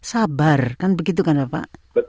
sabar kan begitu kan bapak